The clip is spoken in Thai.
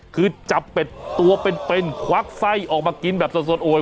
คือจับเป็ดตัวเป็นควักไส้ออกมากินแบบสดโอย